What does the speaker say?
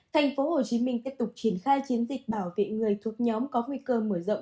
thành phố hồ chí minh tiếp tục triển khai chiến dịch bảo vệ người thuộc nhóm có nguy cơ mở rộng